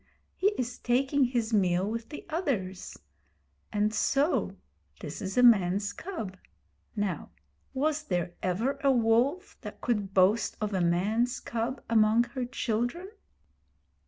He is taking his meal with the others. And so this is a man's cub. Now, was there ever a wolf that could boast of a man's cub among her children?'